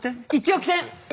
１億点！